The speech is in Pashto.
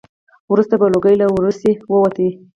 وروسته به لوګی له ورسی ووت.